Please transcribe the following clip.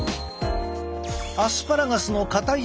アスパラガスのかたい